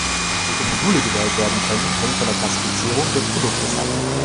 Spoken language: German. Welche Module gewählt werden können, hängt von der Klassifizierung des Produktes ab.